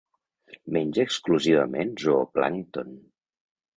Menja exclusivament zooplàncton.